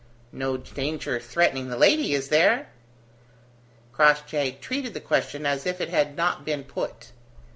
"No danger threatening the lady, is there?" Crossjay treated the question as if it had not been put.